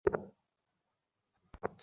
আরে আমাকে দোষ দিচ্ছো কেন?